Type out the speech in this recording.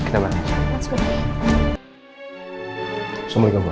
semua sudah di gambar